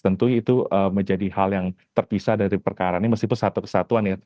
tentu itu menjadi hal yang terpisah dari perkara ini meskipun satu kesatuan ya